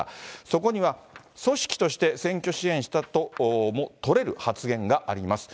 そこには組織として選挙支援したともとれる発言があります。